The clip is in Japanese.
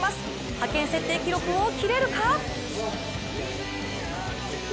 派遣設定記録を切れるか？